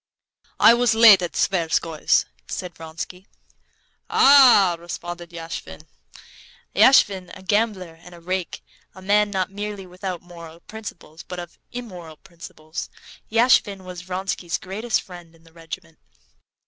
"I was late at the Tverskoys'," said Vronsky. "Ah!" responded Yashvin. Yashvin, a gambler and a rake, a man not merely without moral principles, but of immoral principles, Yashvin was Vronsky's greatest friend in the regiment.